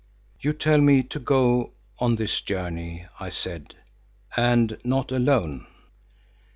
"You tell me to go on this journey," I said, "and not alone.